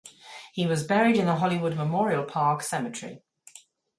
He was buried in the Hollywood Memorial Park Cemetery.